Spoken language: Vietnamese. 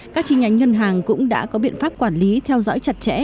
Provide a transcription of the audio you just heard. các chi nhánh ngân hàng cũng đã có biện pháp quản lý theo dõi chặt chẽ